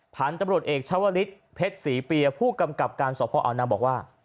พันธุ์ตำรวจเอกชาวลิศเพชรศรีเปียผู้กำกับการสอบพออาวนางบอกว่า